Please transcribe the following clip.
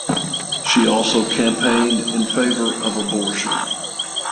She also campaigned in favour of abortion.